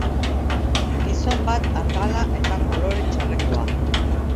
Gizon bat argala eta kolore txarrekoa.